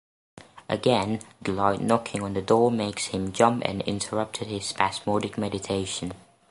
Again, the light knocking on the door makes him jump and interrupted his spasmodic meditation.